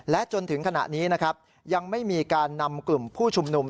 จนถึงขณะนี้นะครับยังไม่มีการนำกลุ่มผู้ชุมนุม